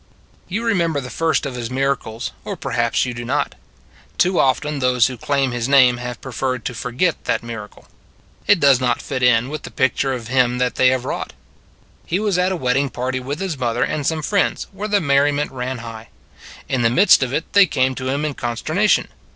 You remember the first of His miracles or perhaps you do not. Too often those who claim His name have preferred to forget that miracle. It does not fit in You Have Known About Him 85 with the picture of Him that they have wrought. He was at a wedding party with His mother and some friends where the merri ment ran high. In the midst of it they came to Him in consternation.